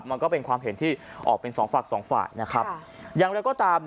มันก็เป็นความเห็นที่ออกเป็น๒ฝากนะครับ